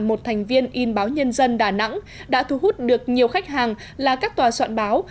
một thành viên in báo nhân dân đà nẵng đã thu hút được nhiều khách hàng là các tòa soạn báo